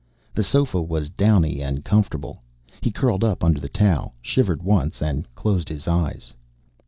The sofa was downy and comfortable. He curled up under the towel, shivered once, and closed his eyes.